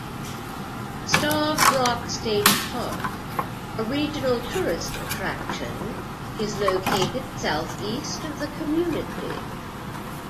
Starved Rock State Park, a regional tourist attraction, is located south-east of the community.